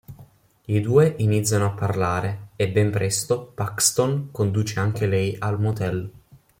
I due iniziano a parlare e ben presto Paxton conduce anche lei al motel.